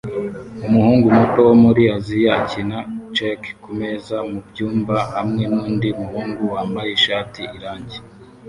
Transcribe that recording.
Umuhungu muto wo muri Aziya akina cheque kumeza mubyumba hamwe nundi muhungu wambaye ishati irangi